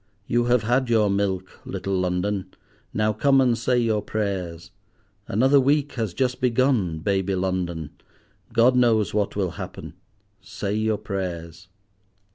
"You have had your milk, little London. Now come and say your prayers. Another week has just begun, baby London. God knows what will happen, say your prayers."